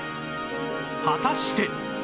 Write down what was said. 果たして